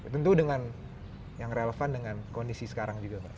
tentu dengan yang relevan dengan kondisi sekarang juga